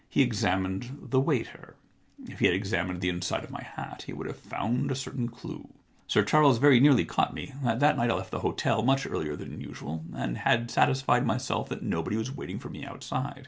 He examined the waiter ; if he had examined the inside of my hat he would have found a certain clue. Sir Charles very nearly caught me. That night I left the hotel much earlier than usual, and had satisfied myself that nobody was waiting for me outside.